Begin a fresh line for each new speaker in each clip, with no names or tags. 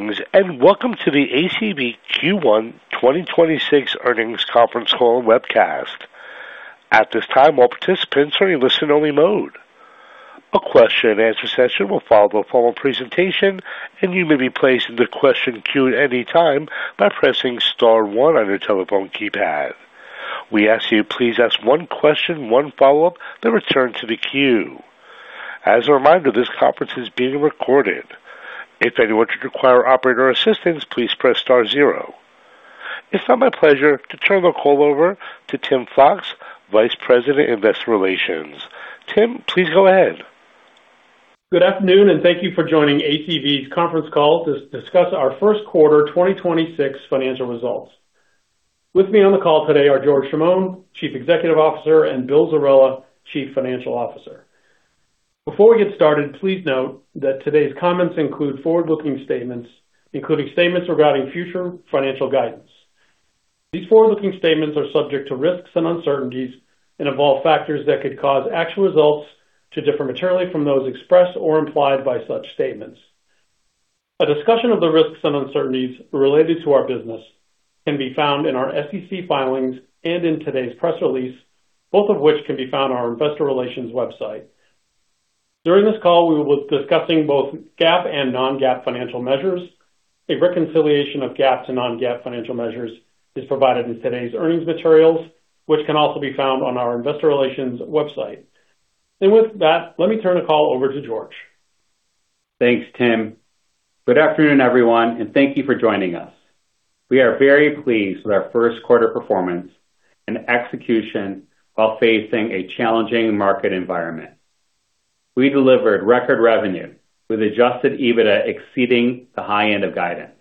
Welcome to the ACV Q1 2026 Earnings Conference Call and Webcast. At this time, all participants are in listen only mode. A question and answer session will follow the formal presentation, and you may be placed in the question queue at any time by pressing star one on your telephone keypad. We ask you please ask one question, one follow-up, then return to the queue. As a reminder, this conference is being recorded. If anyone should require operator assistance, please press star zero. It's now my pleasure to turn the call over to Tim Fox, Vice President, Investor Relations. Tim, please go ahead.
Good afternoon, and thank you for joining ACV's conference call to discuss our first quarter 2026 financial results. With me on the call today are George Chamoun, Chief Executive Officer, and Bill Zerella, Chief Financial Officer. Before we get started, please note that today's comments include forward-looking statements, including statements regarding future financial guidance. These forward-looking statements are subject to risks and uncertainties and involve factors that could cause actual results to differ materially from those expressed or implied by such statements. A discussion of the risks and uncertainties related to our business can be found in our SEC filings and in today's press release, both of which can be found on our investor relations website. During this call, we will be discussing both GAAP and non-GAAP financial measures. A reconciliation of GAAP to non-GAAP financial measures is provided in today's earnings materials, which can also be found on our investor relations website. With that, let me turn the call over to George.
Thanks, Tim. Good afternoon, everyone, and thank you for joining us. We are very pleased with our first quarter performance and execution while facing a challenging market environment. We delivered record revenue with adjusted EBITDA exceeding the high end of guidance.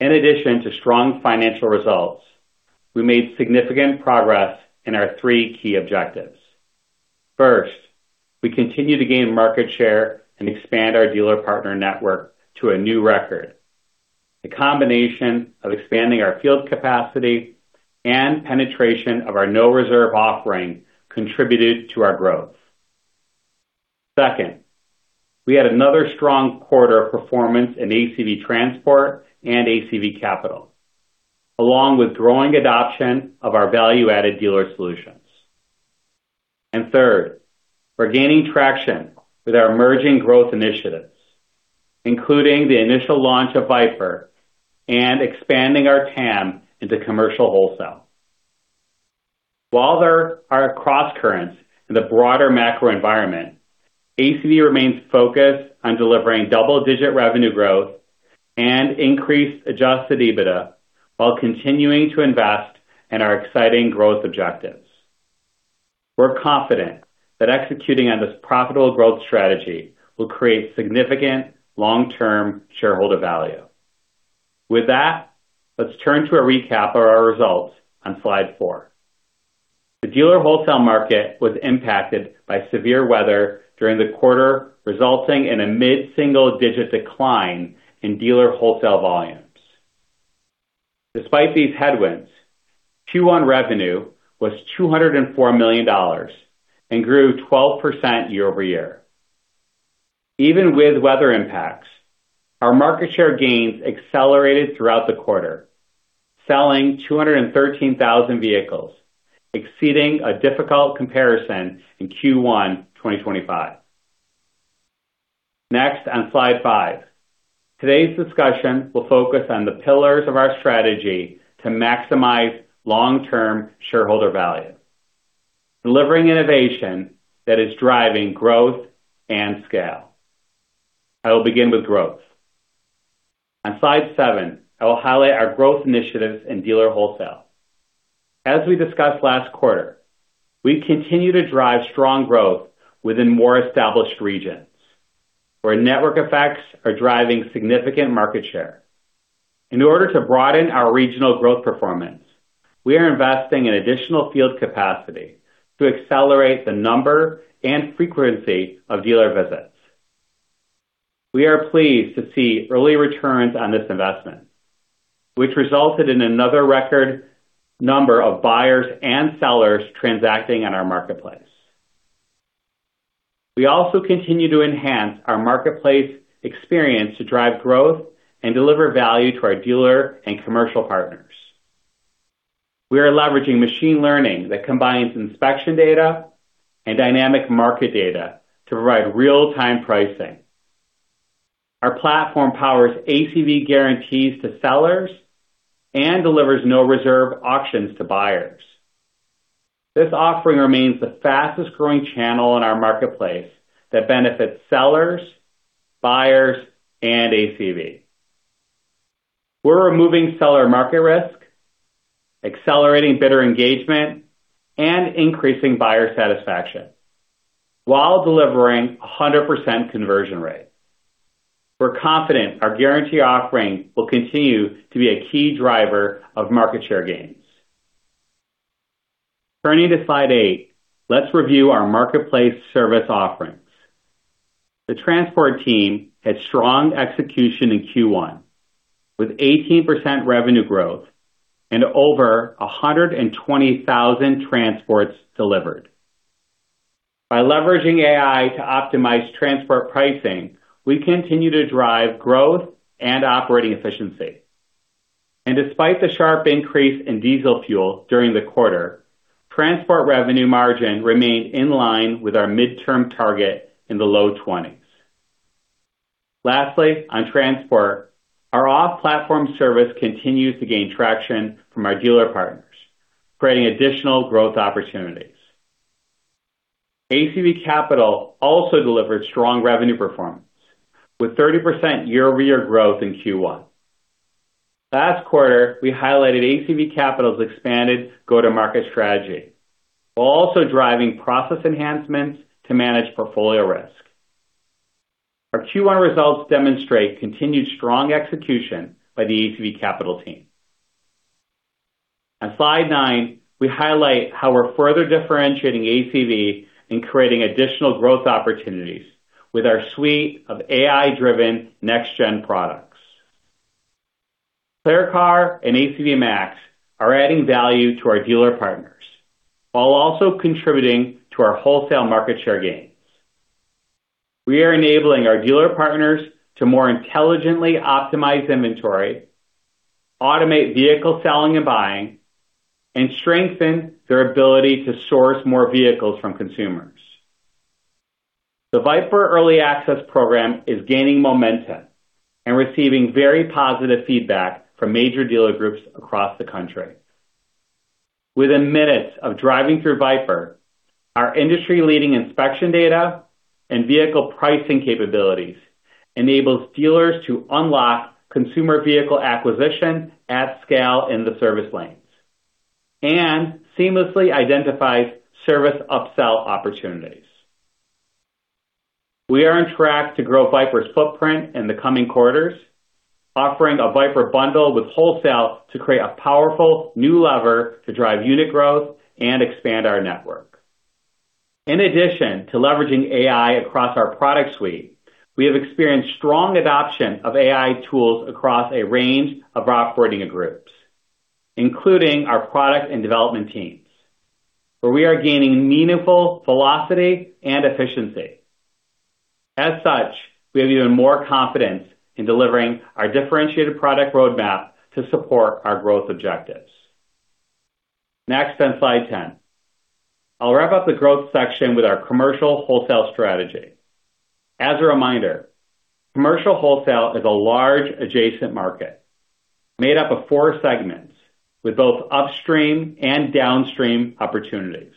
In addition to strong financial results, we made significant progress in our three key objectives. First, we continue to gain market share and expand our dealer partner network to a new record. The combination of expanding our field capacity and penetration of our no reserve offering contributed to our growth. Second, we had another strong quarter of performance in ACV Transport and ACV Capital, along with growing adoption of our value-added dealer solutions. Third, we're gaining traction with our emerging growth initiatives, including the initial launch of VIPER and expanding our TAM into commercial wholesale. While there are crosscurrents in the broader macro environment, ACV remains focused on delivering double-digit revenue growth and increased adjusted EBITDA while continuing to invest in our exciting growth objectives. We're confident that executing on this profitable growth strategy will create significant long-term shareholder value. With that, let's turn to a recap of our results on slide four. The dealer wholesale market was impacted by severe weather during the quarter, resulting in a mid-single digit decline in dealer wholesale volumes. Despite these headwinds, Q1 revenue was $204 million and grew 12% year-over-year. Even with weather impacts, our market share gains accelerated throughout the quarter, selling 213,000 vehicles, exceeding a difficult comparison in Q1 2025. Today's discussion will focus on the pillars of our strategy to maximize long-term shareholder value, delivering innovation that is driving growth and scale. I will begin with growth. On slide seven, I will highlight our growth initiatives in dealer wholesale. As we discussed last quarter, we continue to drive strong growth within more established regions where network effects are driving significant market share. In order to broaden our regional growth performance, we are investing in additional field capacity to accelerate the number and frequency of dealer visits. We are pleased to see early returns on this investment, which resulted in another record number of buyers and sellers transacting on our marketplace. We also continue to enhance our marketplace experience to drive growth and deliver value to our dealer and commercial partners. We are leveraging machine learning that combines inspection data and dynamic market data to provide real-time pricing. Our platform powers ACV guarantees to sellers and delivers no reserve auctions to buyers. This offering remains the fastest growing channel in our marketplace that benefits sellers, buyers, and ACV. We're removing seller market risk, accelerating bidder engagement, and increasing buyer satisfaction while delivering a 100% conversion rate. We're confident our guarantee offering will continue to be a key driver of market share gains. Turning to slide eight, let's review our marketplace service offerings. The transport team had strong execution in Q1, with 18% revenue growth and over 120,000 transports delivered. By leveraging AI to optimize transport pricing, we continue to drive growth and operating efficiency. Despite the sharp increase in diesel fuel during the quarter, transport revenue margin remained in line with our midterm target in the low 20s. Lastly, on transport, our off-platform service continues to gain traction from our dealer partners, creating additional growth opportunities. ACV Capital also delivered strong revenue performance with 30% year-over-year growth in Q1. Last quarter, we highlighted ACV Capital's expanded go-to-market strategy, while also driving process enhancements to manage portfolio risk. Our Q1 results demonstrate continued strong execution by the ACV Capital team. On slide nine, we highlight how we're further differentiating ACV and creating additional growth opportunities with our suite of AI-driven next-gen products. ClearCar and ACV MAX are adding value to our dealer partners while also contributing to our wholesale market share gains. We are enabling our dealer partners to more intelligently optimize inventory, automate vehicle selling and buying, and strengthen their ability to source more vehicles from consumers. The VIPER Early Access program is gaining momentum and receiving very positive feedback from major dealer groups across the country. Within minutes of driving through VIPER, our industry-leading inspection data and vehicle pricing capabilities enables dealers to unlock consumer vehicle acquisition at scale in the service lanes and seamlessly identifies service upsell opportunities. We are on track to grow VIPER's footprint in the coming quarters, offering a VIPER bundle with wholesale to create a powerful new lever to drive unit growth and expand our network. In addition to leveraging AI across our product suite, we have experienced strong adoption of AI tools across a range of operating groups, including our product and development teams, where we are gaining meaningful velocity and efficiency. As such, we have even more confidence in delivering our differentiated product roadmap to support our growth objectives. Next on slide 10. I'll wrap up the growth section with our commercial wholesale strategy. As a reminder, commercial wholesale is a large adjacent market made up of four segments with both upstream and downstream opportunities.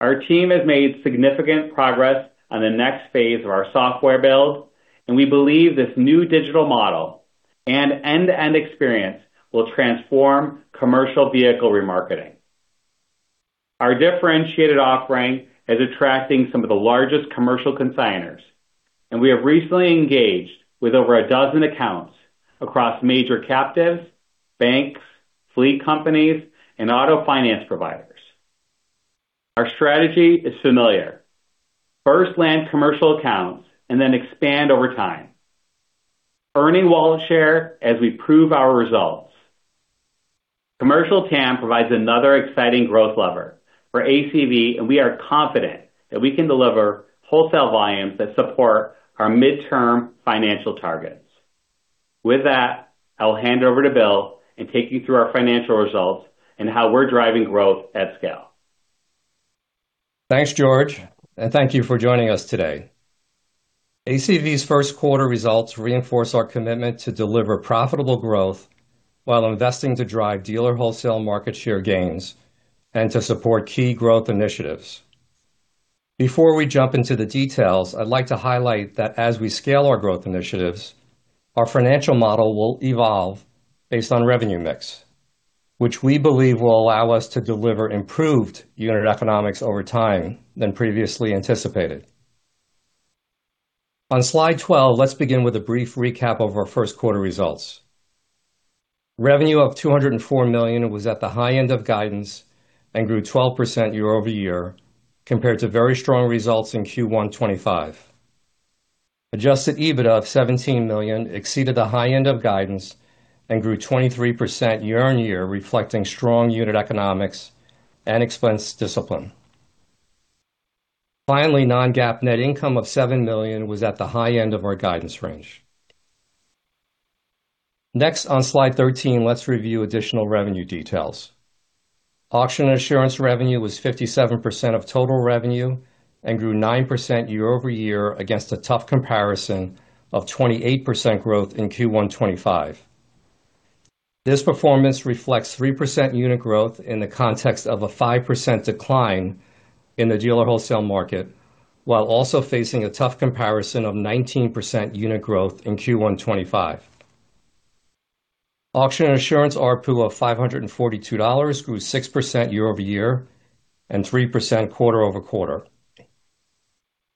Our team has made significant progress on the next phase of our software build, and we believe this new digital model and end-to-end experience will transform commercial vehicle remarketing. Our differentiated offering is attracting some of the largest commercial consignors, and we have recently engaged with over a dozen accounts across major captives, banks, fleet companies, and auto finance providers. Our strategy is familiar. First land commercial accounts and then expand over time, earning wallet share as we prove our results. Commercial TAM provides another exciting growth lever for ACV, and we are confident that we can deliver wholesale volumes that support our midterm financial targets. With that, I'll hand over to Bill and take you through our financial results and how we're driving growth at scale.
Thanks, George, and thank you for joining us today. ACV's first quarter results reinforce our commitment to deliver profitable growth while investing to drive dealer wholesale market share gains and to support key growth initiatives. Before we jump into the details, I'd like to highlight that as we scale our growth initiatives, our financial model will evolve based on revenue mix, which we believe will allow us to deliver improved unit economics over time than previously anticipated. On slide 12, let's begin with a brief recap of our first quarter results. Revenue of $204 million was at the high end of guidance and grew 12% year-over-year compared to very strong results in Q1 2025. Adjusted EBITDA of $17 million exceeded the high end of guidance and grew 23% year-on-year, reflecting strong unit economics and expense discipline. Non-GAAP net income of $7 million was at the high end of our guidance range. Next, on slide 13, let's review additional revenue details. Auction and assurance revenue was 57% of total revenue and grew 9% year-over-year against a tough comparison of 28% growth in Q1 2025. This performance reflects 3% unit growth in the context of a 5% decline in the dealer wholesale market, while also facing a tough comparison of 19% unit growth in Q1 2025. Auction and assurance ARPU of $542 grew 6% year-over-year and 3% quarter-over-quarter.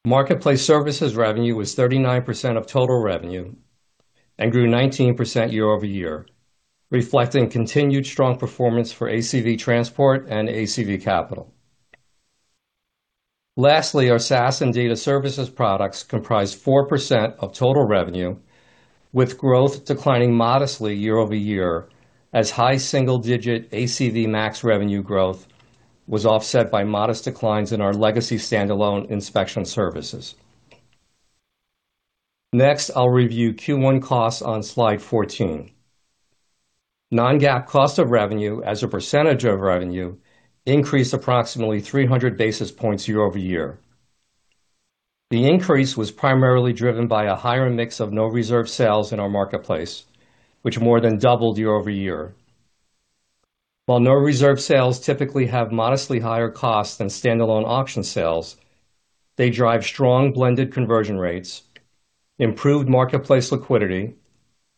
Marketplace services revenue was 39% of total revenue and grew 19% year-over-year, reflecting continued strong performance for ACV Transportation and ACV Capital. Lastly, our SaaS and data services products comprise 4% of total revenue, with growth declining modestly year-over-year. High single-digit ACV MAX revenue growth was offset by modest declines in our legacy standalone inspection services. Next, I'll review Q1 costs on slide 14. Non-GAAP cost of revenue as a percentage of revenue increased approximately 300 basis points year-over-year. The increase was primarily driven by a higher mix of no reserve sales in our marketplace, which more than doubled year-over-year. While no reserve sales typically have modestly higher costs than standalone auction sales, they drive strong blended conversion rates, improved marketplace liquidity,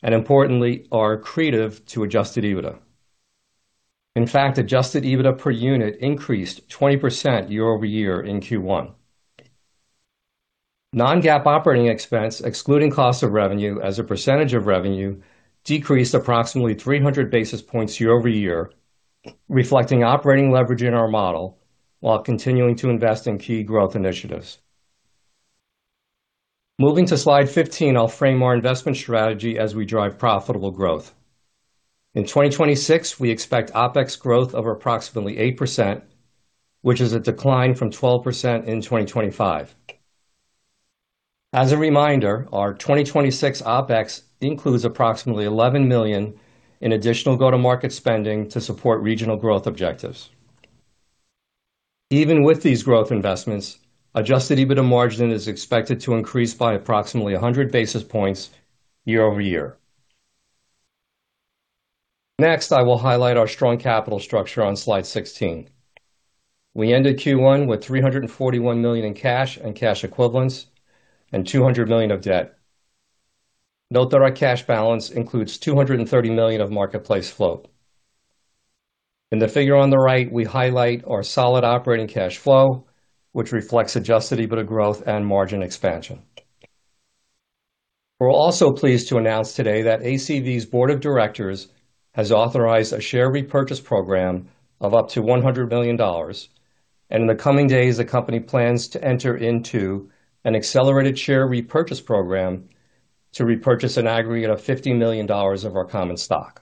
and importantly, are accretive to adjusted EBITDA. In fact, adjusted EBITDA per unit increased 20% year-over-year in Q1. Non-GAAP operating expense, excluding cost of revenue as a percentage of revenue, decreased approximately 300 basis points year-over-year, reflecting operating leverage in our model while continuing to invest in key growth initiatives. Moving to slide 15, I'll frame our investment strategy as we drive profitable growth. In 2026, we expect OpEx growth of approximately 8%, which is a decline from 12% in 2025. As a reminder, our 2026 OpEx includes approximately $11 million in additional go-to-market spending to support regional growth objectives. Even with these growth investments, adjusted EBITDA margin is expected to increase by approximately 100 basis points year-over-year. Next, I will highlight our strong capital structure on slide 16. We ended Q1 with $341 million in cash and cash equivalents and $200 million of debt. Note that our cash balance includes $230 million of marketplace float. In the figure on the right, we highlight our solid operating cash flow, which reflects adjusted EBITDA growth and margin expansion. We're also pleased to announce today that ACV's board of directors has authorized a share repurchase program of up to $100 million. In the coming days, the company plans to enter into an accelerated share repurchase program to repurchase an aggregate of $50 million of our common stock.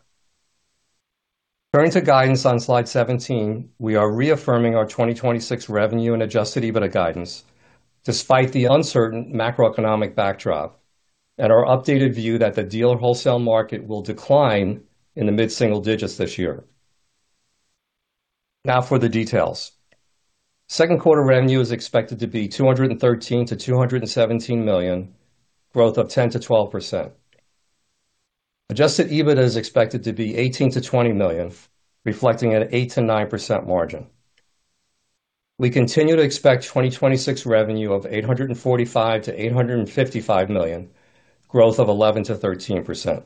Turning to guidance on slide 17, we are reaffirming our 2026 revenue and adjusted EBITDA guidance despite the uncertain macroeconomic backdrop and our updated view that the dealer wholesale market will decline in the mid-single digits this year. Now for the details. Second quarter revenue is expected to be $213 million-$217 million, growth of 10%-12%. Adjusted EBITDA is expected to be $18 million-$20 million, reflecting an 8%-9% margin. We continue to expect 2026 revenue of $845 million-$855 million, growth of 11%-13%.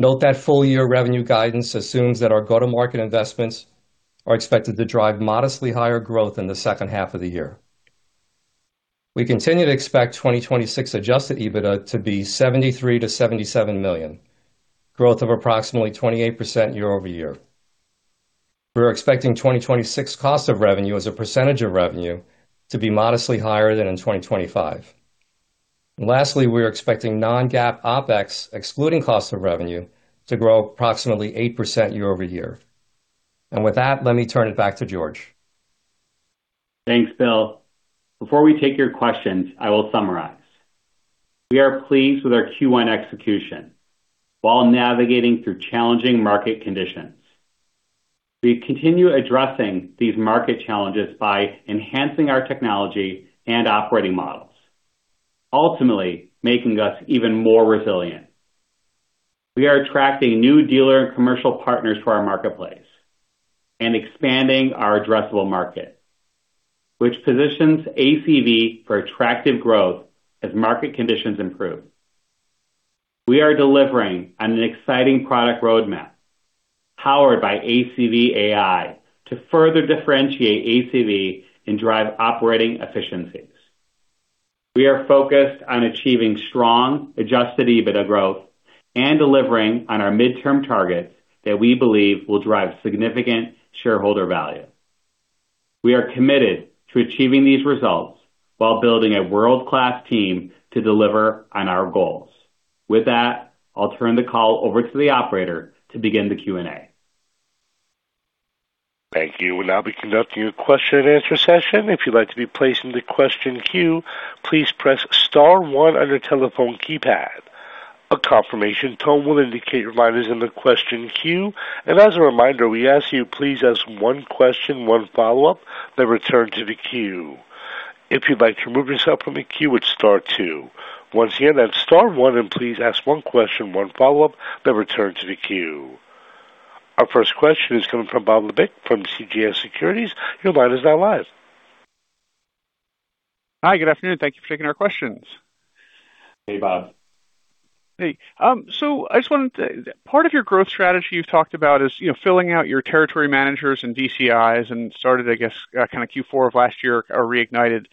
Note that full-year revenue guidance assumes that our go-to-market investments are expected to drive modestly higher growth in the second half of the year. We continue to expect 2026 adjusted EBITDA to be $73 million-$77 million, growth of approximately 28% year-over-year. We're expecting 2026 cost of revenue as a percentage of revenue to be modestly higher than in 2025. Lastly, we're expecting non-GAAP OpEx, excluding cost of revenue, to grow approximately 8% year-over-year. With that, let me turn it back to George.
Thanks, Bill. Before we take your questions, I will summarize. We are pleased with our Q1 execution while navigating through challenging market conditions. We continue addressing these market challenges by enhancing our technology and operating models, ultimately making us even more resilient. We are attracting new dealer and commercial partners to our marketplace and expanding our addressable market, which positions ACV for attractive growth as market conditions improve. We are delivering on an exciting product roadmap powered by ACV AI to further differentiate ACV and drive operating efficiencies. We are focused on achieving strong adjusted EBITDA growth and delivering on our midterm targets that we believe will drive significant shareholder value. We are committed to achieving these results while building a world-class team to deliver on our goals. With that, I'll turn the call over to the operator to begin the Q&A.
Thank you. We'll now be conducting a question and answer session. If you'd like to be placed in the question queue, please press star one on your telephone keypad. A confirmation tone will indicate your line is in the question queue. As a reminder, we ask you please ask one question, one follow-up, then return to the queue. If you'd like to remove yourself from the queue, it's star two. Once again, that's star one. Please ask one question, one follow-up, then return to the queue. Our first question is coming from Bob Labick from CJS Securities. Your line is now live.
Hi. Good afternoon. Thank you for taking our questions.
Hey, Bob.
Hey. Part of your growth strategy you've talked about is, you know, filling out your territory managers and VCIs and started, I guess, kind of Q4 of last year are reignited.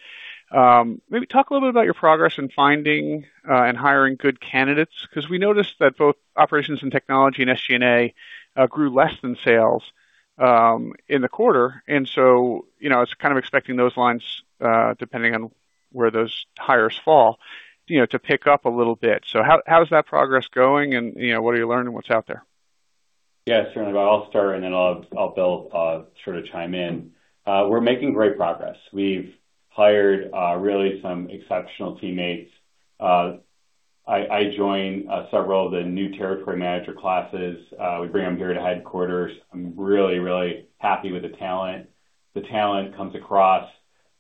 Maybe talk a little bit about your progress in finding and hiring good candidates, 'cause we noticed that both operations and technology and SG&A grew less than sales in the quarter. You know, I was kind of expecting those lines, depending on where those hires fall. You know, to pick up a little bit. How is that progress going and, you know, what are you learning? What's out there?
Yeah, certainly. Well, I'll start, and then Bill will sort of chime in. We're making great progress. We've hired really some exceptional teammates. I joined several of the new territory manager classes. We bring them here to headquarters. I'm really happy with the talent. The talent comes across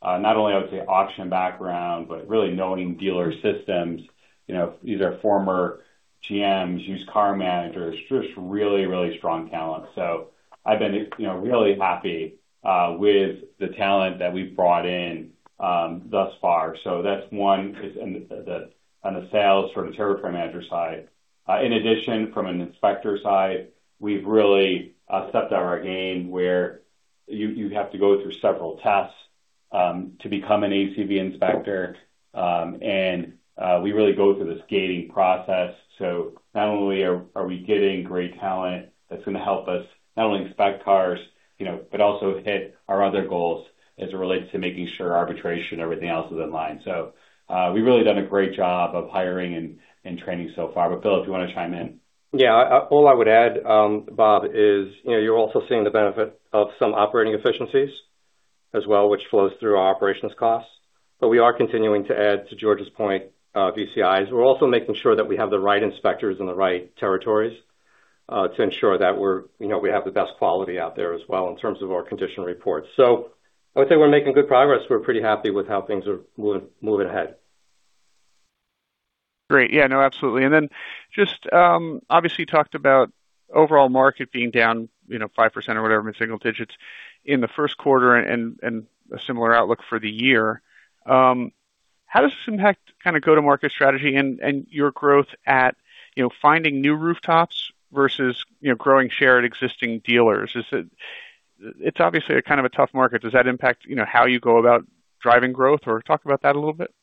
not only of the auction background, but really knowing dealer systems. You know, these are former GMs, used car managers. Just really strong talent. I've been, you know, really happy with the talent that we've brought in thus far. That's one is on the sales sort of territory manager side. In addition, from an inspector side, we've really stepped up our game where you have to go through several tests to become an ACV inspector. We really go through this gating process. Not only are we getting great talent that's gonna help us not only inspect cars, you know, but also hit our other goals as it relates to making sure arbitration and everything else is in line. We've really done a great job of hiring and training so far. Bill, if you wanna chime in.
All I would add, Bob, is, you know, you're also seeing the benefit of some operating efficiencies as well, which flows through our operations costs. We are continuing to add, to George's point, VCIs. We're also making sure that we have the right inspectors in the right territories to ensure that we're, you know, we have the best quality out there as well in terms of our condition reports. I would say we're making good progress. We're pretty happy with how things are moving ahead.
Great. Yeah, no, absolutely. Obviously talked about overall market being down, you know, 5% or whatever in single digits in the first quarter and a similar outlook for the year. How does this impact kinda go-to-market strategy and your growth at, you know, finding new rooftops versus, you know, growing share at existing dealers? It's obviously a kind of a tough market. Does that impact, you know, how you go about driving growth? Talk about that a little bit.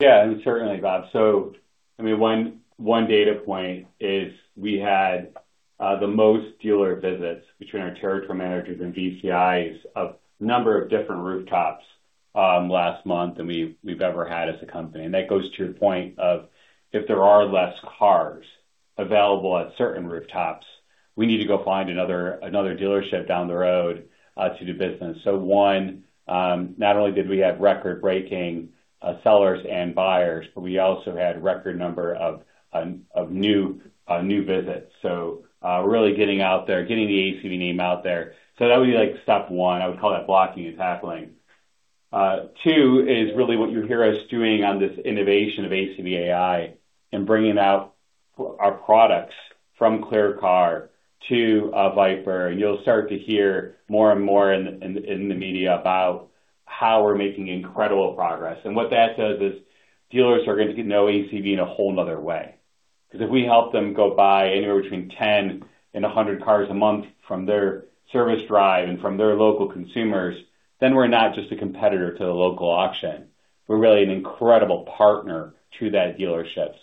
Yeah, certainly, Bob. I mean, one data point is we had the most dealer visits between our territory managers and VCIs of number of different rooftops last month than we've ever had as a company. That goes to your point of if there are less cars available at certain rooftops, we need to go find another dealership down the road to do business. One, not only did we have record-breaking sellers and buyers, but we also had record number of new visits. Really getting out there, getting the ACV name out there. That would be like step one. I would call that blocking and tackling. Two is really what you hear us doing on this innovation of ACV AI and bringing out our products from ClearCar to VIPER. You'll start to hear more and more in the, in the media about how we're making incredible progress. What that says is dealers are going to know ACV in a whole another way. Because if we help them go buy anywhere between 10 and 100 cars a month from their service drive and from their local consumers, then we're not just a competitor to the local auction. We're really an incredible partner to that dealership.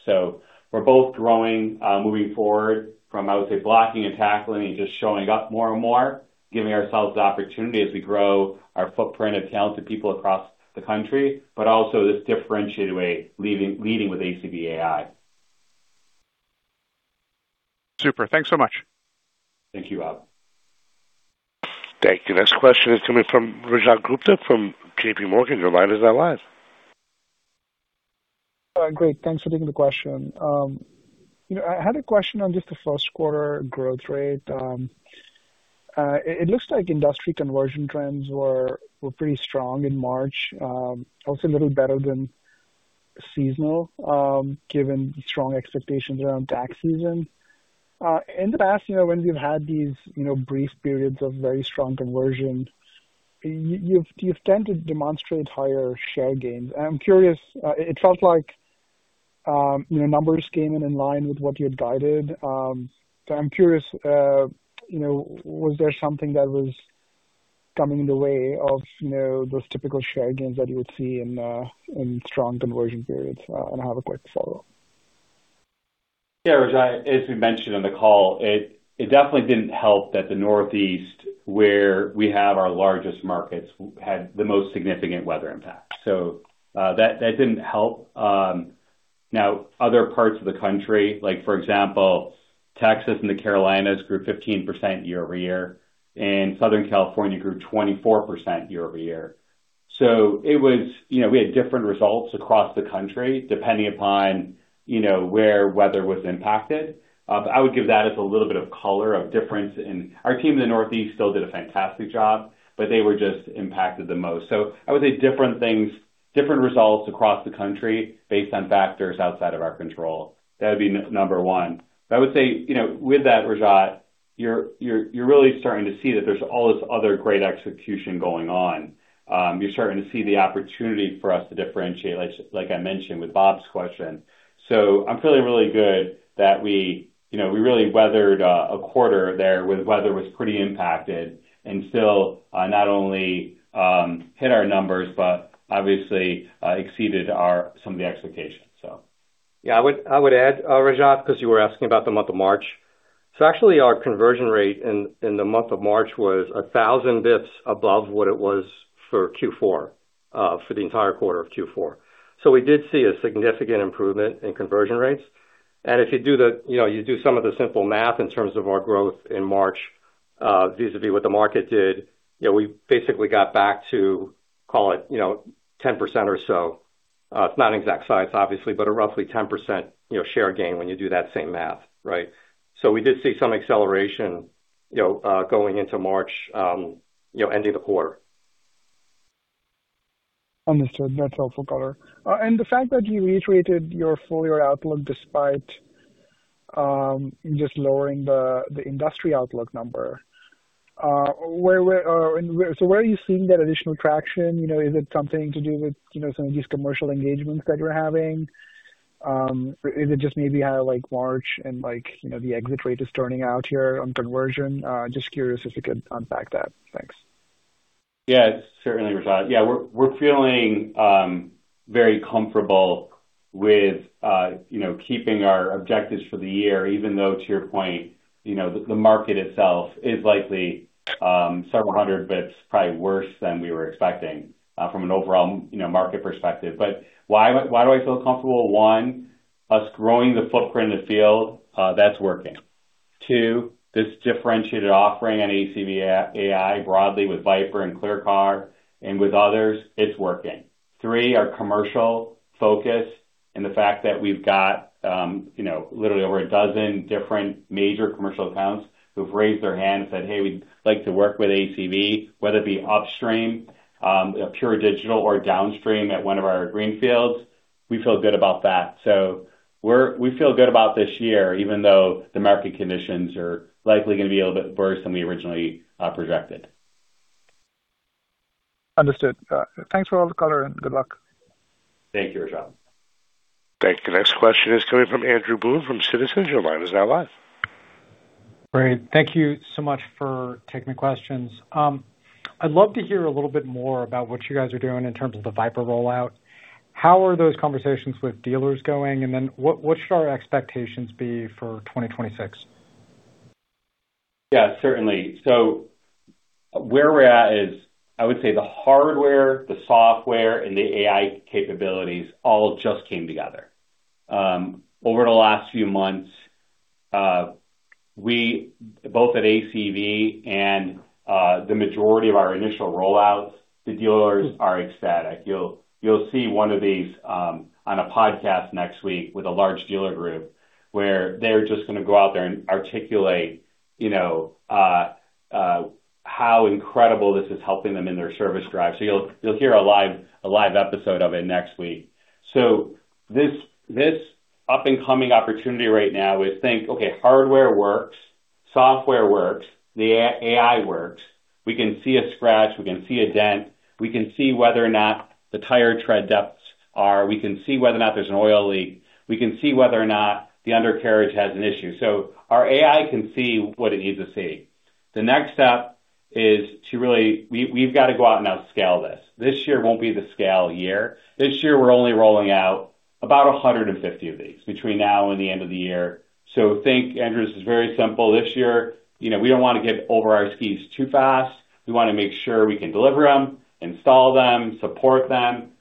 We're both growing, moving forward from, I would say, blocking and tackling and just showing up more and more, giving ourselves the opportunity as we grow our footprint of talented people across the country, but also this differentiated way, leading with ACV AI.
Super. Thanks so much.
Thank you, Bob.
Thank you. Next question is coming from Rajat Gupta from JPMorgan. Your line is now live.
Great, thanks for taking the question. You know, I had a question on just the first quarter growth rate. It looks like industry conversion trends were pretty strong in March, also a little better than seasonal, given strong expectations around tax season. In the past, you know, when you've had these, you've tended to demonstrate higher share gains. I'm curious, it felt like, you know, numbers came in in line with what you had guided. I'm curious, you know, was there something that was coming in the way of, you know, those typical share gains that you would see in strong conversion periods? I have a quick follow-up.
Yeah, Rajat, as we mentioned on the call, it definitely didn't help that the Northeast, where we have our largest markets, had the most significant weather impact. That didn't help. Now other parts of the country, like for example, Texas and the Carolinas grew 15% year-over-year, and Southern California grew 24% year-over-year. You know, we had different results across the country, depending upon, you know, where weather was impacted. I would give that as a little bit of color of difference. Our team in the Northeast still did a fantastic job, but they were just impacted the most. I would say different things, different results across the country based on factors outside of our control. That'd be number one. I would say, you know, with that, Rajat, you're really starting to see that there's all this other great execution going on. You're starting to see the opportunity for us to differentiate, like I mentioned with Bob's question. I'm feeling really good that we, you know, we really weathered a quarter there where the weather was pretty impacted and still, not only, hit our numbers, but obviously, exceeded our, some of the expectations, so.
Yeah. I would add, Rajat, because you were asking about the month of March. Actually our conversion rate in the month of March was 1,000 bips above what it was for Q4, for the entire quarter of Q4. We did see a significant improvement in conversion rates. If you do the, you know, you do some of the simple math in terms of our growth in March, vis-à-vis what the market did, you know, we basically got back to call it, you know, 10% or so. It's not an exact science obviously, but a roughly 10%, you know, share gain when you do that same math, right? We did see some acceleration, you know, going into March, you know, ending the quarter.
Understood. That's helpful color. The fact that you reiterated your full year outlook despite just lowering the industry outlook number. So where are you seeing that additional traction? You know, is it something to do with, you know, some of these commercial engagements that you're having? Is it just maybe how like March and like, you know, the exit rate is turning out here on conversion? Just curious if you could unpack that. Thanks.
Certainly, Rajat. We're feeling, you know, very comfortable with, you know, keeping our objectives for the year, even though to your point, you know, the market itself is likely several hundred bips probably worse than we were expecting from an overall, you know, market perspective. Why do I feel comfortable? One, us growing the footprint in the field, that's working. Two, this differentiated offering on ACV AI broadly with VIPER and ClearCar and with others, it's working. Three, our commercial focus and the fact that we've got, you know, literally over a dozen different major commercial accounts who've raised their hand and said, "Hey, we'd like to work with ACV," whether it be upstream, pure digital or downstream at one of our greenfields. We feel good about that. We feel good about this year, even though the market conditions are likely gonna be a little bit worse than we originally projected.
Understood. Thanks for all the color and good luck.
Thank you, Rajat.
Thank you. Next question is coming from Andrew Boone from Citizens. Your line is now live.
Great. Thank you so much for taking the questions. I'd love to hear a little bit more about what you guys are doing in terms of the VIPER rollout. How are those conversations with dealers going? Then what should our expectations be for 2026?
Yeah, certainly. Where we're at is, I would say the hardware, the software, and the AI capabilities all just came together. Over the last few months, we both at ACV and the majority of our initial rollouts to dealers are ecstatic. You'll, you'll see one of these on a podcast next week with a large dealer group where they're just gonna go out there and articulate, you know, how incredible this is helping them in their service drive. You'll, you'll hear a live, a live episode of it next week. This, this up-and-coming opportunity right now is think, okay, hardware works, software works, the AI works. We can see a scratch, we can see a dent, we can see whether or not the tire tread depths are, we can see whether or not there's an oil leak, we can see whether or not the undercarriage has an issue. Our AI can see what it needs to see. The next step is to really we've gotta go out and now scale this. This year won't be the scale year. This year we're only rolling out about 150 of these between now and the end of the year. Think, Andrew, this is very simple. This year, you know, we don't wanna get over our skis too fast. We wanna make sure we can deliver them, install them, support them.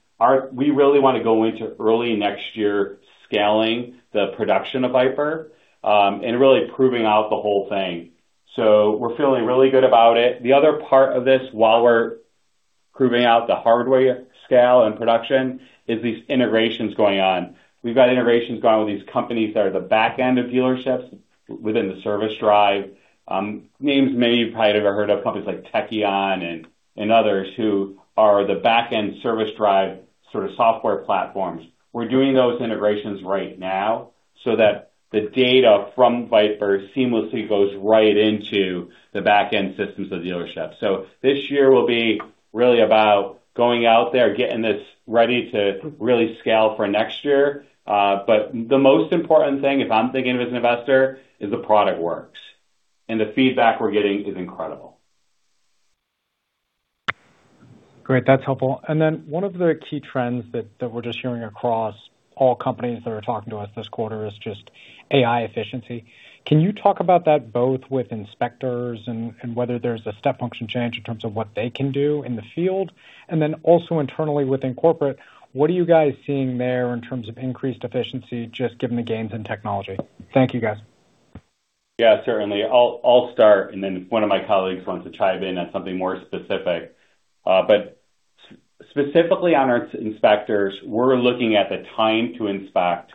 We really wanna go into early next year scaling the production of VIPER and really proving out the whole thing. We're feeling really good about it. The other part of this, while we're proving out the hardware scale and production, is these integrations going on. We've got integrations going with these companies that are the back end of dealerships within the service drive. Names maybe you've probably ever heard of, companies like Tekion and others who are the back end service drive sort of software platforms. We're doing those integrations right now so that the data from VIPER seamlessly goes right into the back end systems of the dealership. This year will be really about going out there, getting this ready to really scale for next year. The most important thing, if I'm thinking of as an investor, is the product works, and the feedback we're getting is incredible.
Great. That's helpful. Then one of the key trends that we're just hearing across all companies that are talking to us this quarter is just AI efficiency. Can you talk about that both with inspectors and whether there's a step function change in terms of what they can do in the field? Then also internally within corporate, what are you guys seeing there in terms of increased efficiency just given the gains in technology? Thank you, guys.
Yeah, certainly. I'll start, then if one of my colleagues wants to chime in on something more specific. Specifically on our inspectors, we're looking at the time to inspect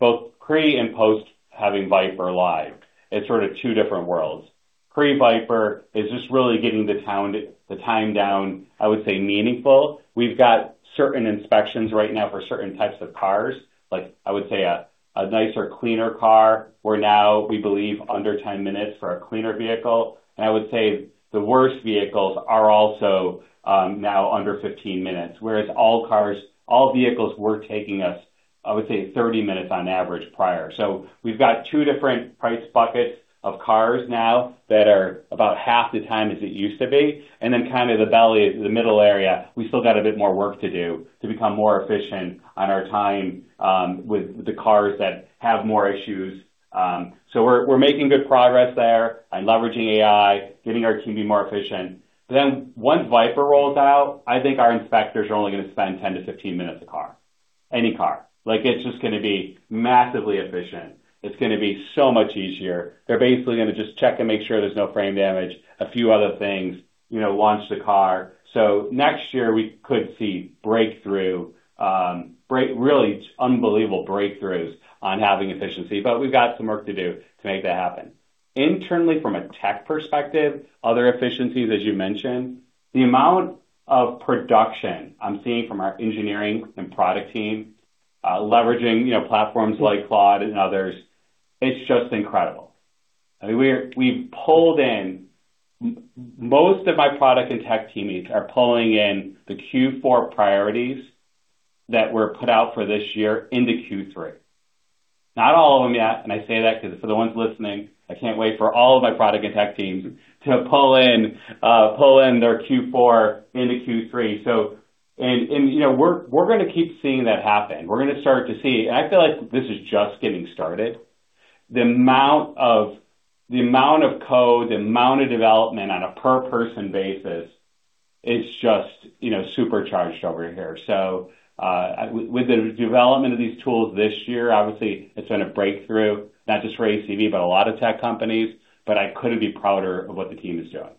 both pre and post having VIPER live. It's sort of two different worlds. Pre VIPER is just really getting the time down, I would say, meaningful. We've got certain inspections right now for certain types of cars. Like I would say a nicer, cleaner car, we're now, we believe, under 10 minutes for a cleaner vehicle. I would say the worst vehicles are also now under 15 minutes, whereas all cars, all vehicles were taking us, I would say, 30 minutes on average prior. We've got two different price buckets of cars now that are about half the time as it used to be, and then kind of the belly, the middle area, we still got a bit more work to do to become more efficient on our time with the cars that have more issues. We're making good progress there and leveraging AI, getting our team to be more efficient. Once VIPER rolls out, I think our inspectors are only gonna spend 10-15 minutes a car, any car. It's just gonna be massively efficient. It's gonna be so much easier. They're basically gonna just check and make sure there's no frame damage, a few other things, you know, launch the car. Next year we could see really unbelievable breakthroughs on having efficiency, but we've got some work to do to make that happen. Internally, from a tech perspective, other efficiencies, as you mentioned, the amount of production I'm seeing from our engineering and product team, leveraging, you know, platforms like Claude and others, it's just incredible. I mean, we've pulled in most of my product and tech teammates are pulling in the Q4 priorities that were put out for this year into Q3. Not all of them yet, I say that 'cause for the ones listening, I can't wait for all of my product and tech teams to pull in, pull in their Q4 into Q3. You know, we're gonna keep seeing that happen. We're gonna start to see, I feel like this is just getting started. The amount of code, the amount of development on a per person basis is just, you know, supercharged over here. With the development of these tools this year, obviously it's been a breakthrough, not just for ACV, but a lot of tech companies, but I couldn't be prouder of what the team is doing.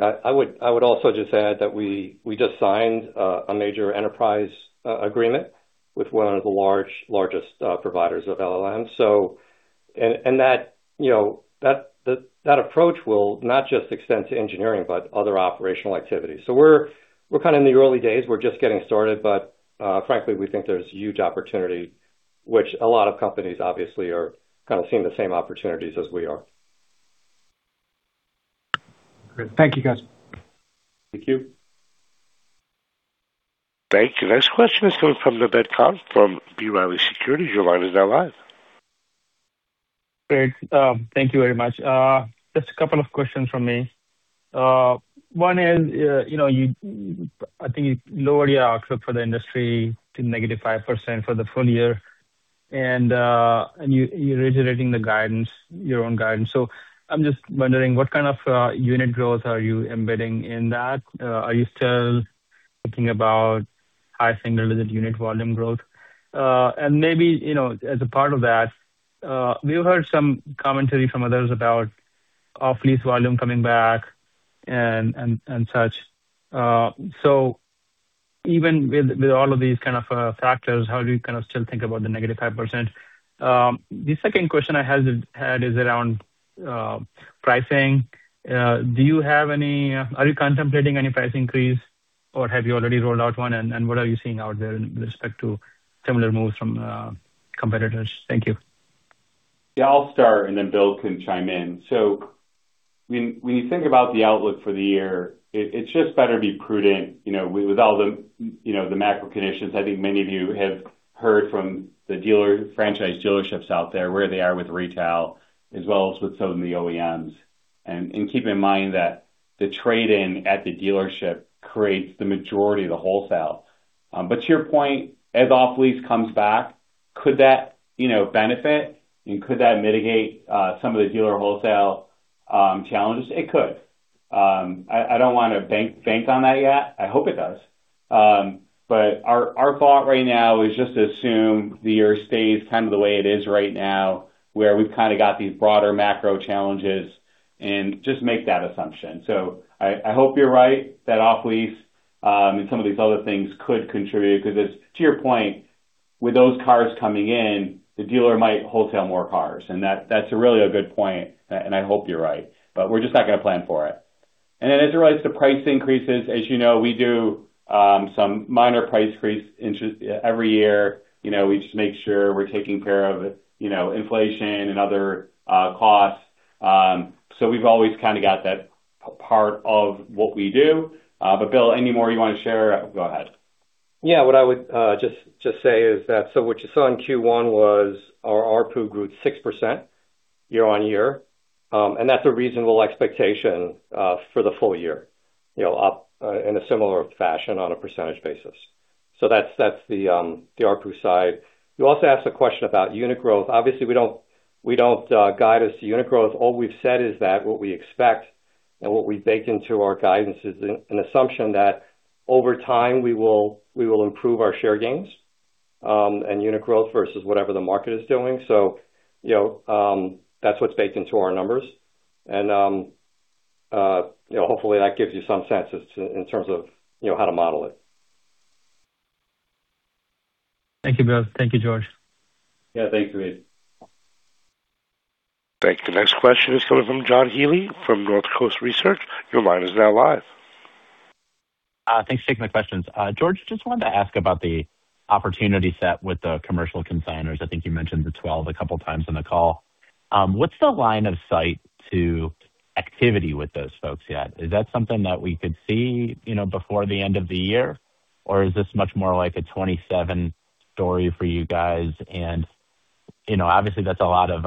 I would also just add that we just signed a major enterprise agreement with one of the largest providers of LLM. That, you know, that approach will not just extend to engineering, but other operational activities. We're kinda in the early days, we're just getting started, but frankly, we think there's huge opportunity, which a lot of companies obviously are kind of seeing the same opportunities as we are.
Great. Thank you, guys.
Thank you.
Thank you. Next question is coming from the Naved Khan from B. Riley Securities. Your line is now live.
Great. Thank you very much. Just a couple of questions from me. One is, you know, you, I think you lowered your outlook for the industry to -5% for the full year, and you're reiterating the guidance, your own guidance. I'm just wondering what kind of unit growth are you embedding in that? Are you still thinking about high single unit volume growth? Maybe, you know, as a part of that, we've heard some commentary from others about off-lease volume coming back and such. Even with all of these kind of factors, how do you kind of still think about the -5%? The second question I had is around pricing. Are you contemplating any price increase or have you already rolled out one? What are you seeing out there in respect to similar moves from competitors? Thank you.
When you think about the outlook for the year, it's just better to be prudent, you know, with all the, you know, the macro conditions. I think many of you have heard from the dealer, franchise dealerships out there, where they are with retail, as well as with some of the OEMs. Keep in mind that the trade-in at the dealership creates the majority of the wholesale. To your point, as off-lease comes back, could that, you know, benefit and could that mitigate some of the dealer wholesale challenges? It could. I don't wanna bank on that yet. I hope it does. Our thought right now is just to assume the year stays kind of the way it is right now, where we've kind of got these broader macro challenges and just make that assumption. I hope you're right, that off-lease and some of these other things could contribute because it's, to your point, with those cars coming in, the dealer might wholesale more cars. That's really a good point and I hope you're right. We're just not going to plan for it. As it relates to price increases, as you know, we do some minor price increase interest every year. You know, we just make sure we're taking care of, you know, inflation and other costs. We've always kind of got that part of what we do. Bill, any more you want to share? Go ahead.
What I would just say is that what you saw in Q1 was our ARPU grew 6% year-on-year. That's a reasonable expectation for the full year. You know, up in a similar fashion on a percentage basis. That's the ARPU side. You also asked a question about unit growth. Obviously, we don't guide as to unit growth. All we've said is that what we expect and what we bake into our guidance is an assumption that over time we will improve our share gains and unit growth versus whatever the market is doing. You know, that's what's baked into our numbers. Hopefully, that gives you some sense as to, in terms of, you know, how to model it.
Thank you, Bill. Thank you, George.
Yeah. Thank you, Naved.
Thank you. The next question is coming from John Healy from Northcoast Research. Your line is now live.
Thanks for taking my questions. George, just wanted to ask about the opportunity set with the commercial consignors. I think you mentioned the 12 a couple times in the call. What's the line of sight to activity with those folks yet? Is that something that we could see, you know, before the end of the year? Or is this much more like a 2027 story for you guys? You know, obviously that's a lot of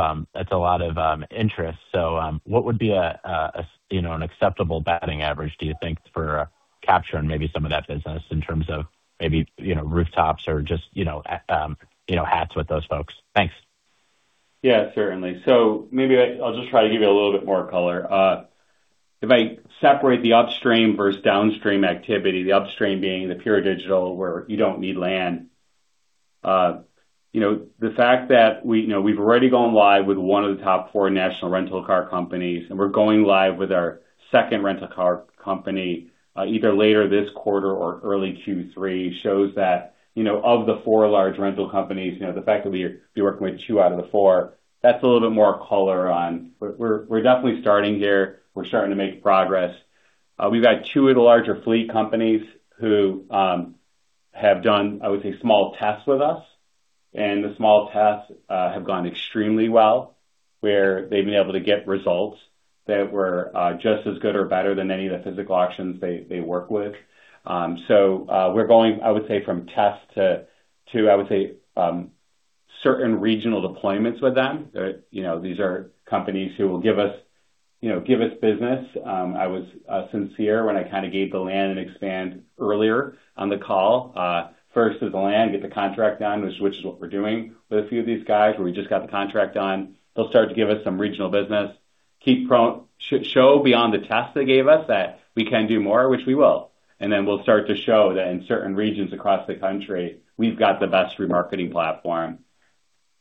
interest. What would be a, you know, an acceptable batting average, do you think, for capturing maybe some of that business in terms of maybe, you know, rooftops or just, you know, hats with those folks? Thanks.
Yeah, certainly. Maybe I'll just try to give you a little bit more color. If I separate the upstream versus downstream activity, the upstream being the pure digital where you don't need land. You know, the fact that we've already gone live with one of the top four national rental car companies, and we're going live with our second rental car company, either later this quarter or early Q3, shows that, you know, of the four large rental companies, you know, the fact that we're working with two out of the four, that's a little bit more color on we're definitely starting here. We're starting to make progress. We've got two of the larger fleet companies who have done, I would say, small tests with us, and the small tests have gone extremely well, where they've been able to get results that were just as good or better than any of the physical auctions they work with. We're going, I would say, from test to, I would say, certain regional deployments with them. You know, these are companies who will give us, you know, give us business. I was sincere when I kinda gave the land and expand earlier on the call. First is the land, get the contract done, which is what we're doing with a few of these guys, where we just got the contract done. They'll start to give us some regional business. Keep showing beyond the test they gave us that we can do more, which we will. Then we'll start to show that in certain regions across the country, we've got the best remarketing platform.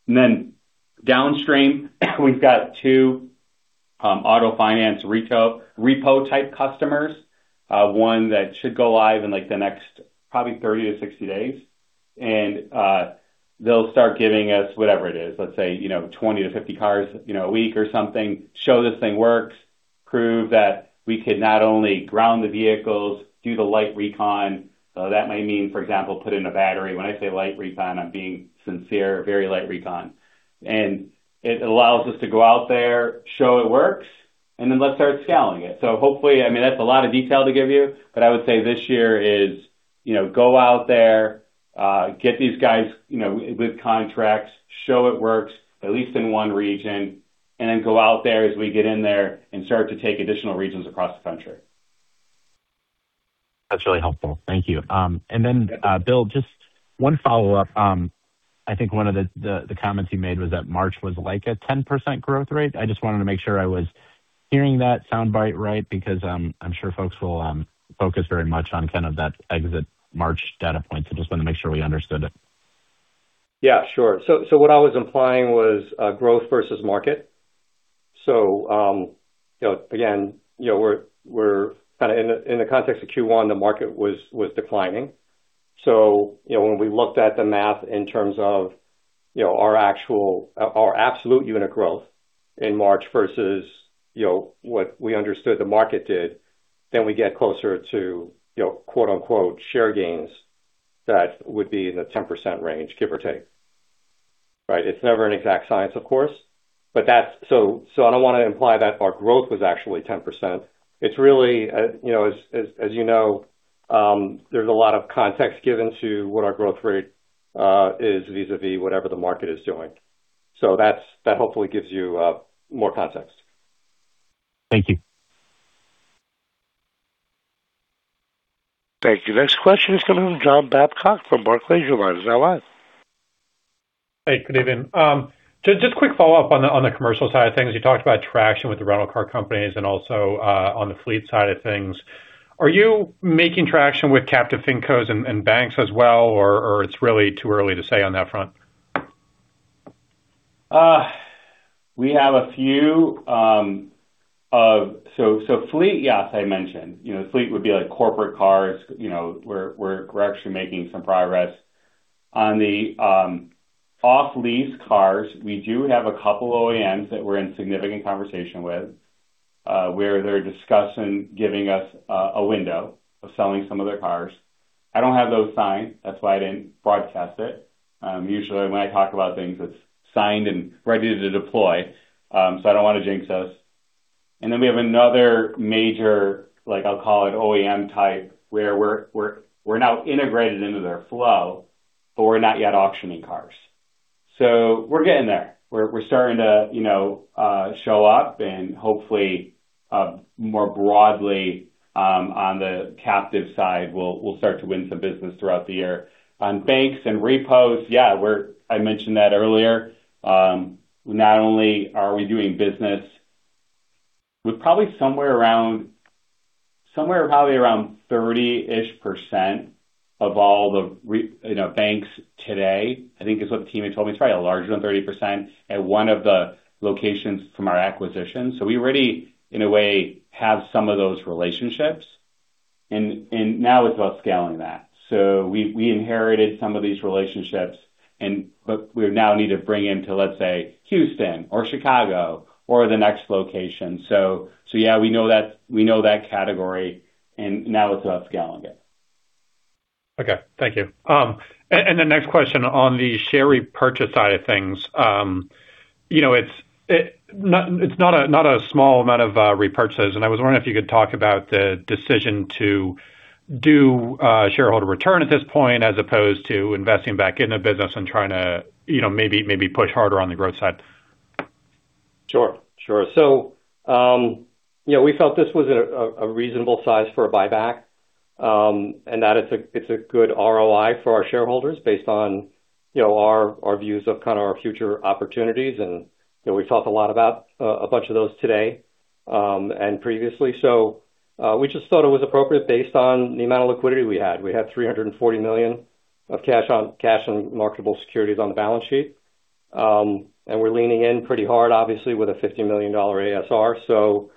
Then downstream, we've got two auto finance repo-type customers, one that should go live in, like, the next probably 30 to 60 days. They'll start giving us whatever it is. Let's say, you know, 20 to 50 cars, you know, a week or something. Show this thing works, prove that we could not only ground the vehicles, do the light recon. That might mean, for example, put in a battery. When I say light recon, I'm being sincere, very light recon. It allows us to go out there, show it works, then let's start scaling it. Hopefully, I mean, that's a lot of detail to give you. I would say this year is, you know, go out there, get these guys, you know, with contracts, show it works, at least in one region, and then go out there as we get in there and start to take additional regions across the country.
That's really helpful. Thank you. Then, Bill, just one follow-up. I think one of the comments you made was that March was like a 10% growth rate. I just wanted to make sure I was hearing that soundbite right because I'm sure folks will focus very much on kind of that exit March data point. Just wanna make sure we understood it.
What I was implying was growth versus market. Again, you know, we're kinda in the context of Q1, the market was declining. You know, when we looked at the math in terms of, you know, our absolute unit growth in March versus, you know, what we understood the market did, then we get closer to, you know, quote-unquote, "share gains" that would be in the 10% range, give or take. Right? It's never an exact science, of course, but I don't wanna imply that our growth was actually 10%. It's really, you know, as you know, there's a lot of context given to what our growth rate is vis-a-vis whatever the market is doing. That hopefully gives you more context.
Thank you.
Thank you. Next question is coming from John Babcock from Barclays. Your line is now live.
Hey, good evening. Just quick follow-up on the commercial side of things. You talked about traction with the rental car companies and also on the fleet side of things. Are you making traction with captive fincos and banks as well, or it's really too early to say on that front?
We have a few of fleet, yes, I mentioned. You know, fleet would be like corporate cars. You know, we're actually making some progress. On the off-lease cars, we do have a couple OEMs that we're in significant conversation with, where they're discussing giving us a window of selling some of their cars. I don't have those signed. That's why I didn't broadcast it. Usually when I talk about things, it's signed and ready to deploy. I don't wanna jinx us. Then we have another major, like, I'll call it OEM type, where we're now integrated into their flow, but we're not yet auctioning cars. We're getting there. We're starting to, you know, show up and hopefully, more broadly, on the captive side, we'll start to win some business throughout the year. On banks and repos, yeah, I mentioned that earlier. Not only are we doing business with probably somewhere probably around 30-ish% of all the, you know, banks today. I think it's what the team had told me. It's probably larger than 30% at one of the locations from our acquisition. We already, in a way, have some of those relationships, and now it's about scaling that. We inherited some of these relationships, but we now need to bring into, let's say, Houston or Chicago or the next location. Yeah, we know that category, and now it's about scaling it.
Okay. Thank you. The next question on the share repurchase side of things. You know, it's not a small amount of repurchases, I was wondering if you could talk about the decision to do shareholder return at this point as opposed to investing back in the business and trying to, you know, maybe push harder on the growth side.
Sure, sure. You know, we felt this was a reasonable size for a buyback, and that it's a good ROI for our shareholders based on, you know, our views of kind of our future opportunities. You know, we've talked a lot about a bunch of those today and previously. We just thought it was appropriate based on the amount of liquidity we had. We had $340 million of cash on marketable securities on the balance sheet. We're leaning in pretty hard, obviously, with a $50 million ASR.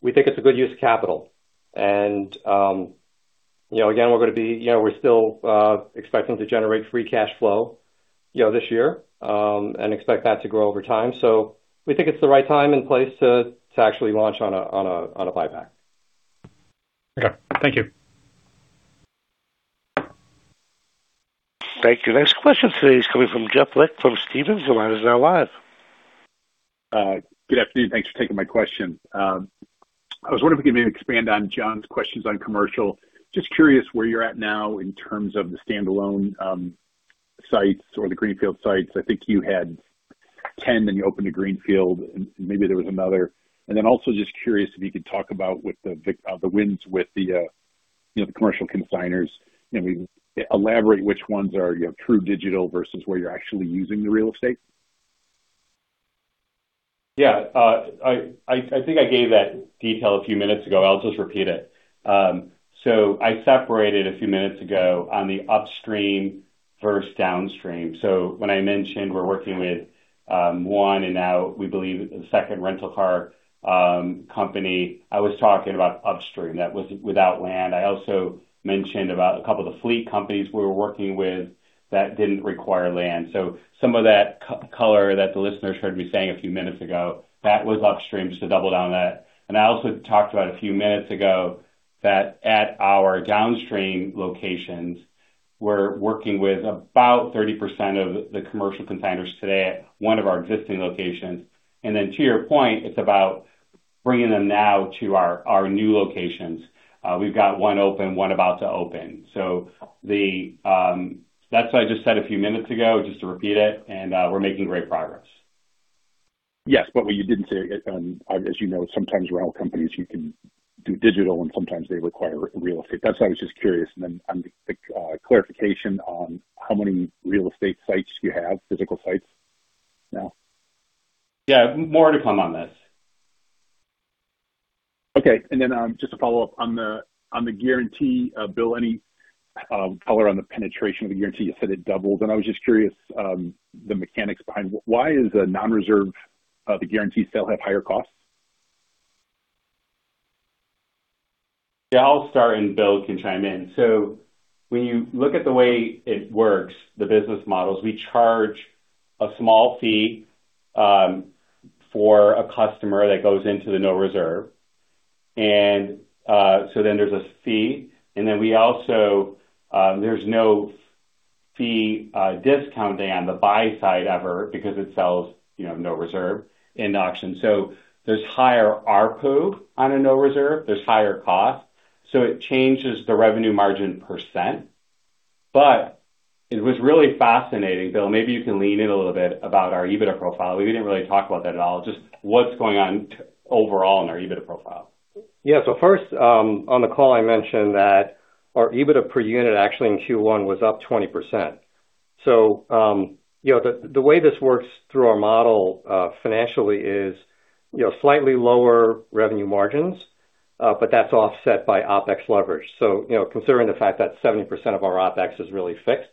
We think it's a good use of capital. You know, again, we're still expecting to generate free cash flow, you know, this year, and expect that to grow over time. We think it's the right time and place to actually launch on a buyback.
Okay. Thank you.
Thank you. Next question today is coming from Jeff Lick from Stephens. The line is now live.
Good afternoon. Thanks for taking my question. I was wondering if you could maybe expand on John's questions on commercial. Just curious where you're at now in terms of the standalone sites or the greenfield sites. I think you had 10, then you opened a greenfield, and maybe there was another. Also just curious if you could talk about what the wins with the, you know, the commercial consignors. You know, I mean, elaborate which ones are, you know, true digital versus where you're actually using the real estate.
Yeah. I think I gave that detail a few minutes ago. I'll just repeat it. I separated a few minutes ago on the upstream versus downstream. When I mentioned we're working with one and now we believe a second rental car company, I was talking about upstream. That was without land. I also mentioned about a couple of the fleet companies we were working with that didn't require land. Some of that c-color that the listeners heard me saying a few minutes ago, that was upstream, just to double down on that. I also talked about a few minutes ago that at our downstream locations, we're working with about 30% of the commercial consignors today at one of our existing locations. To your point, it's about bringing them now to our new locations. We've got one open, one about to open. That's what I just said a few minutes ago, just to repeat it, and we're making great progress.
Yes, what you didn't say, as you know, sometimes rental companies, you can do digital, and sometimes they require real estate. That's why I was just curious. On the clarification on how many real estate sites you have, physical sites now.
Yeah. More to come on this.
Okay. Then, just to follow up on the, on the guarantee, Bill, any color on the penetration of the guarantee? You said it doubled, and I was just curious, the mechanics behind why is a no reserve, the guarantee sale have higher costs?
Yeah, I'll start, and Bill can chime in. When you look at the way it works, the business models, we charge a small fee for a customer that goes into the no reserve. There's a fee. We also, there's no fee discounting on the buy side ever because it sells, you know, no reserve in the auction. There's higher ARPU on a no reserve. There's higher cost. It changes the revenue margin%. It was really fascinating. Bill, maybe you can lean in a little bit about our EBITDA profile. We didn't really talk about that at all. Just what's going on overall in our EBITDA profile.
Yeah. First, on the call, I mentioned that our EBITDA per unit actually in Q1 was up 20%. You know, the way this works through our model, financially is, you know, slightly lower revenue margins, but that's offset by OpEx leverage. You know, considering the fact that 70% of our OpEx is really fixed,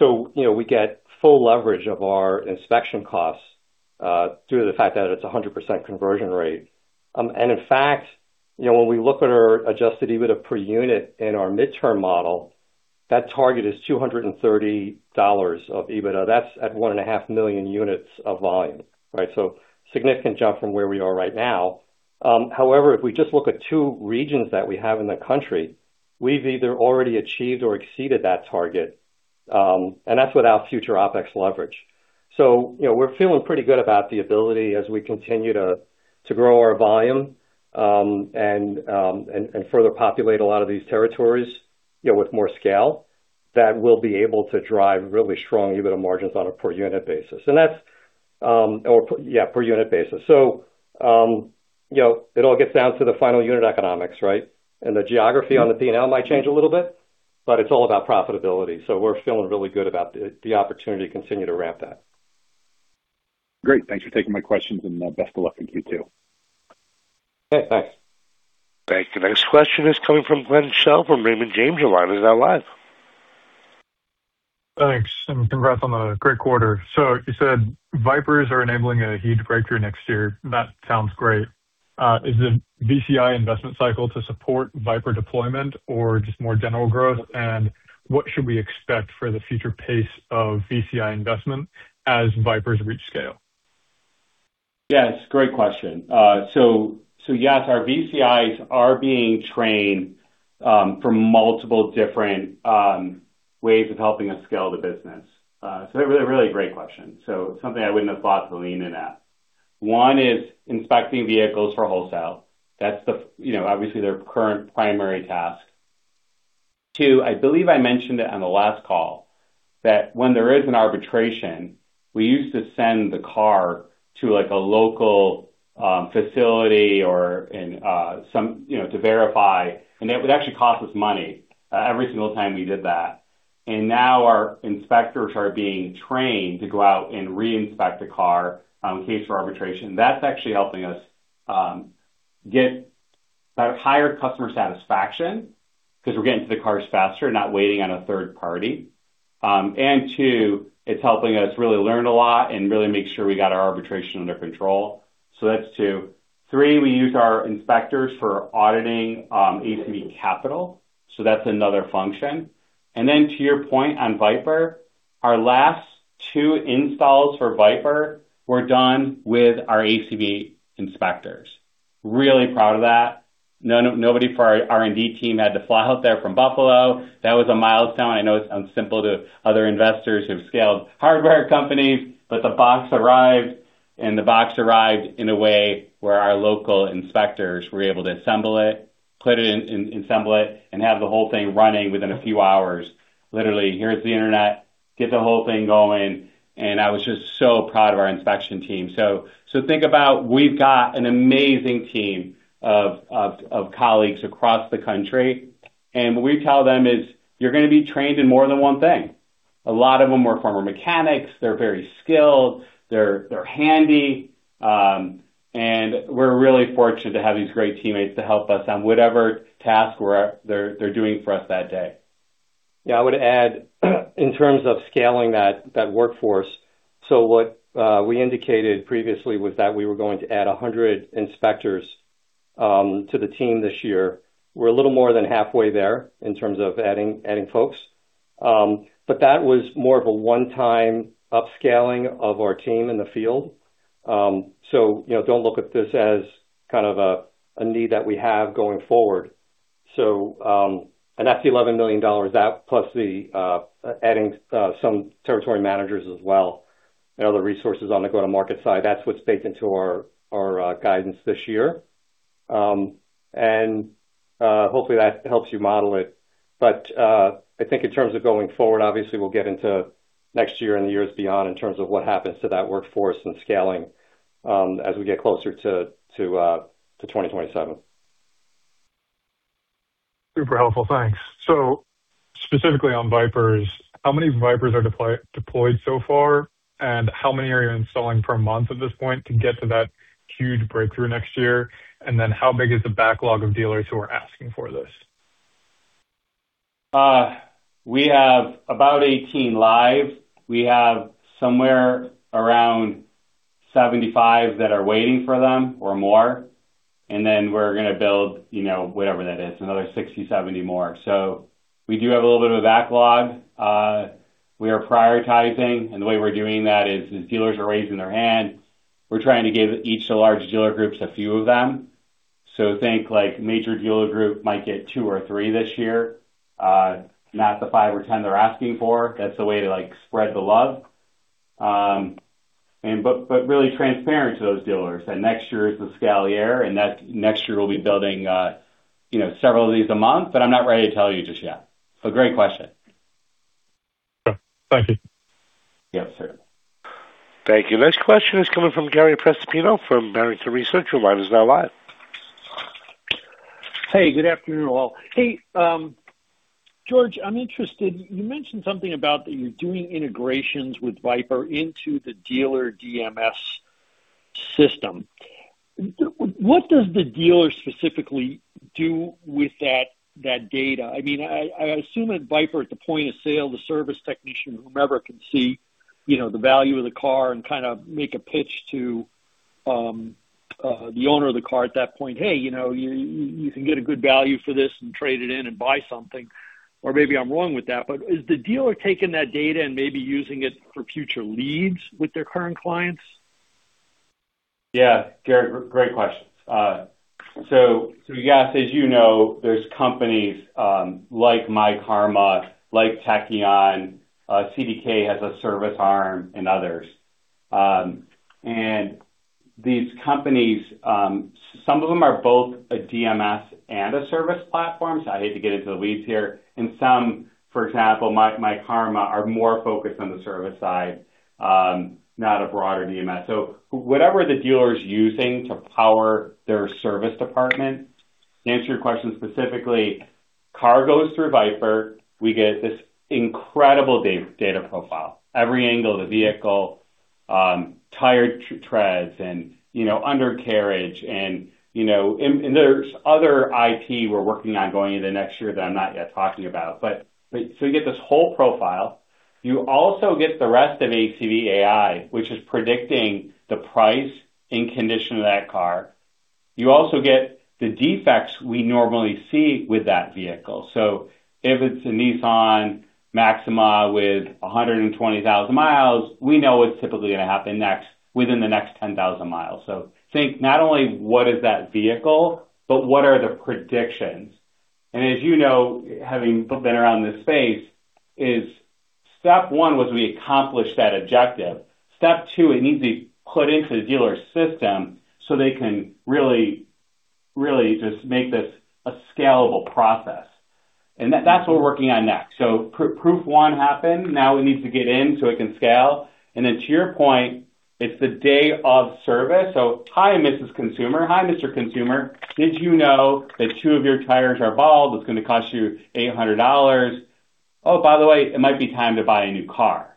you know, we get full leverage of our inspection costs due to the fact that it's a 100% conversion rate. In fact, you know, when we look at our adjusted EBITDA per unit in our midterm model, that target is $230 of EBITDA. That's at 1.5 million units of volume, right? Significant jump from where we are right now. However, if we just look at two regions that we have in the country, we've either already achieved or exceeded that target. That's without future OpEx leverage. You know, we're feeling pretty good about the ability as we continue to grow our volume, and further populate a lot of these territories, you know, with more scale, that we'll be able to drive really strong EBITDA margins on a per unit basis. That's, or yeah, per unit basis. You know, it all gets down to the final unit economics, right? The geography on the P&L might change a little bit, but it's all about profitability. We're feeling really good about the opportunity to continue to ramp that.
Great. Thanks for taking my questions, and best of luck in Q2.
Okay. Thanks.
Thank you. Next question is coming from Glenn Shell from Raymond James. Your line is now live.
Thanks. Congrats on the great quarter. You said VIPERs are enabling a huge breakthrough next year. That sounds great. Is the VCI investment cycle to support VIPER deployment or just more general growth? What should we expect for the future pace of VCI investment as VIPERs reach scale?
Yes, great question. Yes, our VCIs are being trained for multiple different ways of helping us scale the business. Really great question. Something I wouldn't have thought to lean in at. One is inspecting vehicles for wholesale. That's you know, obviously their current primary task. Two, I believe I mentioned it on the last call that when there is an arbitration, we used to send the car to, like, a local facility or in some You know, to verify, it would actually cost us money every single time we did that. Now our inspectors are being trained to go out and reinspect a car in case for arbitration. That's actually helping us get that higher customer satisfaction because we're getting to the cars faster, not waiting on a third party. Two, it's helping us really learn a lot and really make sure we got our arbitration under control. That's two. Three, we use our inspectors for auditing ACV Capital, that's another function. To your point on VIPER, our last two installs for VIPER were done with our ACV inspectors. Really proud of that. Nobody from our R&D team had to fly out there from Buffalo. That was a milestone. I know it sounds simple to other investors who've scaled hardware companies, the box arrived, the box arrived in a way where our local inspectors were able to assemble it, put it in and assemble it, and have the whole thing running within a few hours. Literally, here's the internet, get the whole thing going, I was just so proud of our inspection team. Think about we've got an amazing team of colleagues across the country, and what we tell them is, "You're gonna be trained in more than one thing." A lot of them were former mechanics. They're very skilled. They're handy. We're really fortunate to have these great teammates to help us on whatever task they're doing for us that day.
Yeah. I would add, in terms of scaling that workforce, what we indicated previously was that we were going to add 100 inspectors to the team this year. We're a little more than halfway there in terms of adding folks. That was more of a one-time upscaling of our team in the field. You know, don't look at this as kind of a need that we have going forward. And that's the $11 million. That plus the adding some territory managers as well and other resources on the go-to-market side. That's what's baked into our guidance this year. Hopefully that helps you model it. I think in terms of going forward, obviously we'll get into next year and the years beyond in terms of what happens to that workforce and scaling as we get closer to 2027.
Super helpful. Thanks. Specifically on VIPERs, how many VIPERs are deployed so far, and how many are you installing per month at this point to get to that huge breakthrough next year? How big is the backlog of dealers who are asking for this?
We have about 18 live. We have somewhere around 75 that are waiting for them or more. Then we're gonna build, you know, whatever that is, another 60, 70 more. We do have a little bit of a backlog. We are prioritizing, and the way we're doing that is, as dealers are raising their hand, we're trying to give each of the large dealer groups a few of them. Think like major dealer group might get two or three this year, not the five or 10 they're asking for. That's a way to, like, spread the love. But really transparent to those dealers that next year is the scale year and that next year we'll be building, you know, several of these a month, but I'm not ready to tell you just yet. Great question.
Sure. Thank you.
Yes, sir.
Thank you. Next question is coming from Gary Prestopino from Barrington Research. Your line is now live.
Hey, good afternoon all. Hey, George, I'm interested. You mentioned something about that you're doing integrations with VIPER into the dealer DMS system. What does the dealer specifically do with that data? I mean, I assume at VIPER, at the point of sale, the service technician, whomever, can see, you know, the value of the car and kinda make a pitch to the owner of the car at that point, "Hey, you know, you can get a good value for this and trade it in and buy something." Maybe I'm wrong with that. Is the dealer taking that data and maybe using it for future leads with their current clients?
Yeah. Gary, great question. Yes, as you know, there's companies, like myKaarma, like Tekion, CDK has a service arm and others. These companies, some of them are both a DMS and a service platform, I hate to get into the weeds here. Some, for example, myKaarma, are more focused on the service side, not a broader DMS. Whatever the dealer is using to power their service department. To answer your question specifically, car goes through VIPER, we get this incredible data profile. Every angle of the vehicle, tire treads and, you know, undercarriage and, you know there's other IT we're working on going into next year that I'm not yet talking about. You get this whole profile. You also get the rest of ACV AI, which is predicting the price and condition of that car. You also get the defects we normally see with that vehicle. If it's a Nissan Maxima with 120,000 miles, we know what's typically gonna happen next within the next 10,000 miles. Think not only what is that vehicle, but what are the predictions. As you know, having been around this space, step one was we accomplished that objective. step two, it needs to be put into the dealer system so they can really just make this a scalable process. That's what we're working on next. Proof 1 happened. Now it needs to get in so it can scale. To your point, it's the day of service. Hi, Mrs. Consumer. Hi, Mr. Consumer. Did you know that two of your tires are bald? It's gonna cost you $800. Oh, by the way, it might be time to buy a new car.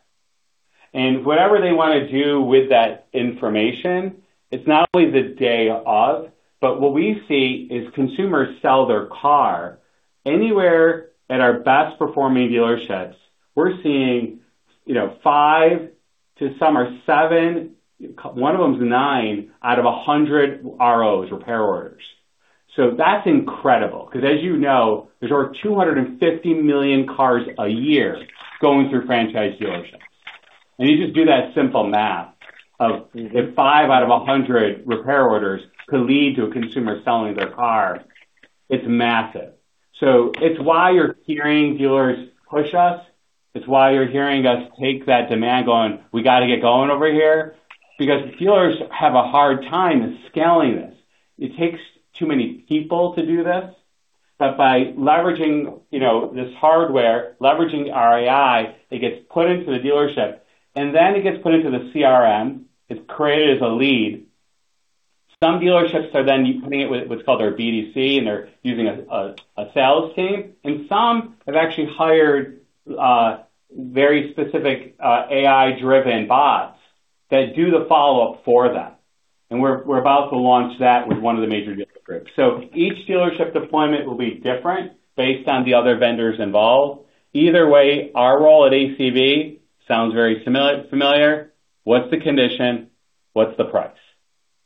Whatever they wanna do with that information, it's not only the day of, but what we see is consumers sell their car anywhere at our best performing dealerships. We're seeing, you know, five to some are seven, one of them is nine out of 100 ROs, repair orders. That's incredible because as you know, there's over 250 million cars a year going through franchise dealerships. You just do that simple math of if five out of 100 repair orders could lead to a consumer selling their car, it's massive. It's why you're hearing dealers push us. It's why you're hearing us take that demand going, "We gotta get going over here." Dealers have a hard time scaling this. It takes too many people to do this. By leveraging, you know, this hardware, leveraging our AI, it gets put into the dealership, and then it gets put into the CRM. It's created as a lead. Some dealerships are then putting it with what's called their BDC, and they're using a sales team. Some have actually hired very specific AI-driven bots that do the follow-up for them. We're about to launch that with one of the major dealer groups. Each dealership deployment will be different based on the other vendors involved. Either way, our role at ACV sounds very familiar. What's the condition? What's the price?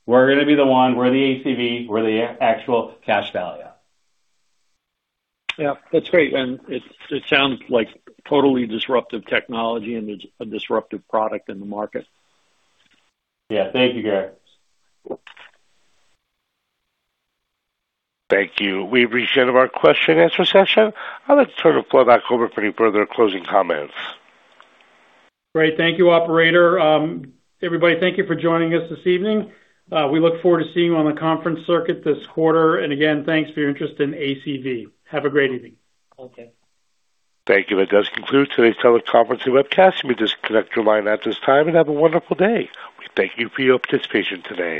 We're gonna be the one, we're the ACV, we're the actual cash value.
Yeah, that's great. It sounds like totally disruptive technology and it's a disruptive product in the market.
Yeah. Thank you, Gary.
Thank you. We've reached the end of our question and answer session. I'd like to turn the floor back over for any further closing comments.
Great. Thank you, operator. Everybody, thank you for joining us this evening. We look forward to seeing you on the conference circuit this quarter. Again, thanks for your interest in ACV. Have a great evening.
Okay.
Thank you. That does conclude today's teleconference and webcast. You may disconnect your line at this time, and have a wonderful day. We thank you for your participation today.